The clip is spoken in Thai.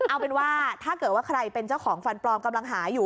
เอาเป็นว่าถ้าเกิดว่าใครเป็นเจ้าของฟันปลอมกำลังหาอยู่